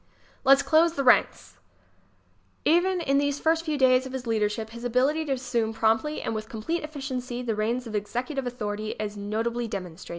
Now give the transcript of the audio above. "Let's Close the Ranks" Even in these first few days of his leadership his ability to assume promptly and with complete effi ciency the reins of executive authority is notably demonstrated.